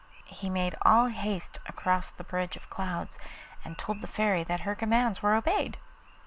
He made all haste across the bridge of clouds, and told the Fairy that her commands were obeyed.